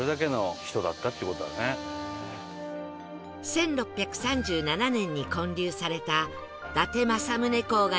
１６３７年に建立された伊達政宗公が眠る